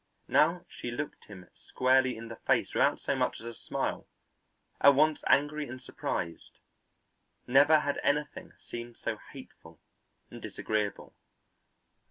Now she looked him squarely in the face without so much as a smile, at once angry and surprised; never had anything seemed so hateful and disagreeable.